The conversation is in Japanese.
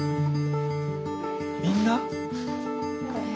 みんな？へ。